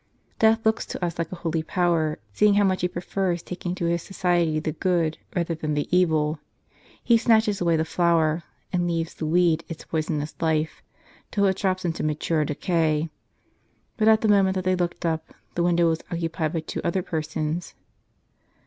Death looks to us like a holy power, seeing how much he prefers taking to his society the good, rather than the evil. He snatches away the flower, and leaves the w^eed its poisonous life, till it drops into mature decay. But at the moment that they looked up, the window was occupied by two other persons.